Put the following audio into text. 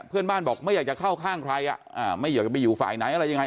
เพื่อนบ้านบอกไม่อยากจะเข้าข้างใครไม่อยากจะไปอยู่ฝ่ายไหนอะไรยังไง